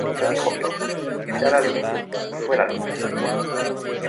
Y dijo Dios: Sea la luz: y fué la luz.